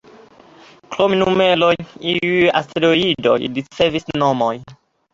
Krom numeron, iuj asteroidoj ricevis nomon.